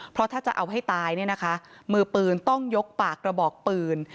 เพราะถ้าจะเอาให้ตายเนี่ยนะคะมือปืนต้องยกปากกระบอกปืน